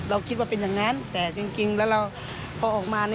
เราคิดว่าเป็นอย่างนั้นแต่จริงแล้วเราพอออกมา